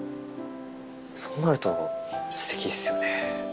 そうなると、すてきですよね。